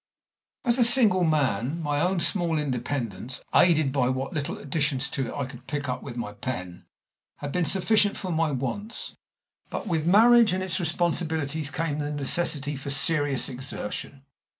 As a single man, my own small independence, aided by what little additions to it I could pick up with my pen, had been sufficient for my wants; but with marriage and its responsibilities came the necessity for serious exertion.